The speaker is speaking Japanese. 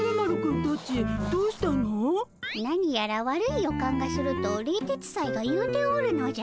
何やら悪い予感がすると冷徹斎が言うておるのじゃ。